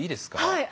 はい。